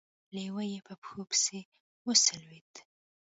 لېوه يې په پښو پسې وسولېد.